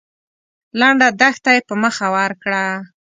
لنډه دښته يې په مخه ورکړه.